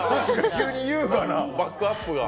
急に優雅な。